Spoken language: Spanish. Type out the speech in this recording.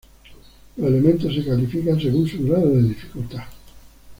Los elementos se califican según su grado de dificultad.